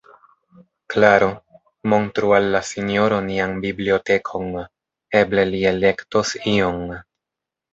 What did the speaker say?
Klaro, montru al la sinjoro nian bibliotekon, eble li elektos ion.